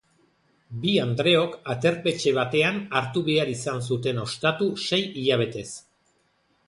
Bi andreok aterpetxe batean hartu behar izan zuten ostatu sei hilabetez.